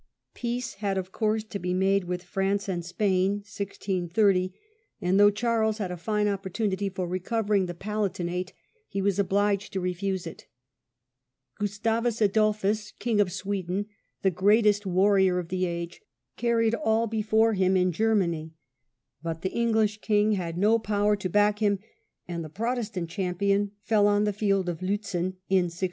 Peace had of course to be made with France and THE SHIP MONEY WRITS. 25 Spain (1630), and though Charles had a fine opportunity for recovering the Palatinate he was obliged po^i^npoHcy to refuse it Gustavus Adolphus, King ofandSWp Sweden, the greatest warrior of the age, °*°"*^* carried all before him in Germany; but the English king had no power to back him, and the Protestant champion fell on the field of Liitzen in 1632.